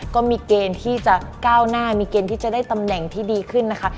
ก็มีเกณฑ์ที่จะก้าวหน้ามีเกณฑ์ที่จะได้ตำแหน่งที่ดีขึ้นนะคะ